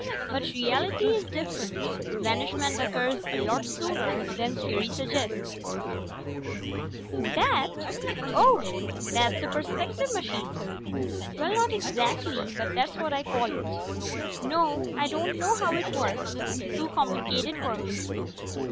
But reality is different; vanishment occurs a lot sooner than theory suggests ..._ Illustrated by Martinez That? Oh, that's a perspective machine. Well, not exactly, but that's what I call it. No, I don't know how it works. Too complicated for me.